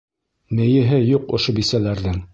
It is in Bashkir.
Мейеһе юҡ ошо бисәләрҙең!